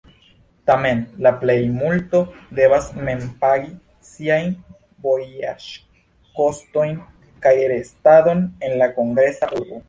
Tamen la plejmulto devas mem pagi siajn vojaĝkostojn kaj restadon en la kongresa urbo.